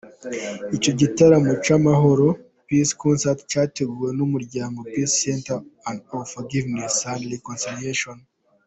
Icyo gitaramo cy’amahoro "Peace Concert " cyateguwe n'umuryango Peace Center of Forgiveness & Reconciliation.